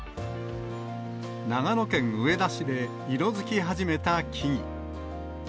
長野県上田市で色づき始めた木々。